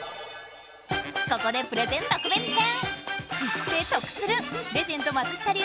ここでプレゼン特別編！